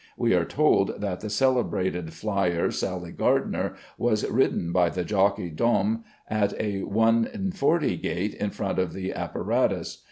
We are told that the "celebrated flyer Sally Gardner was ridden by the jockey Domm at a 1:40 gait in front of the apparatus."